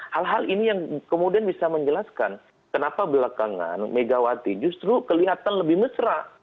hal hal ini yang kemudian bisa menjelaskan kenapa belakangan megawati justru kelihatan lebih mesra